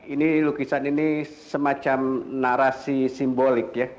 ini lukisan ini semacam narasi simbolik ya